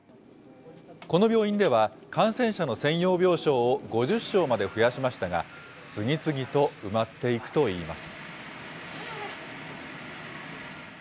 この病院では、感染者の専用病床を５０床まで増やしましたが、次々と埋まっていくといいます。